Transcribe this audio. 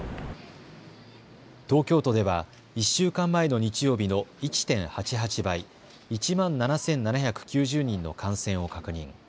東京都では１週間前の日曜日の１．８８倍、１万７７９０人の感染を確認。